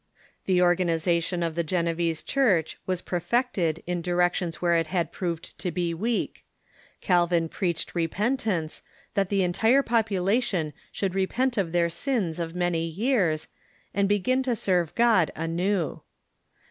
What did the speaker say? The organization of the Genevese Church was perfected in directions where it had proved to be weak ; Cal vin preached repentance, that the entire population should repent of their sins of many years, and begin to serve God anew.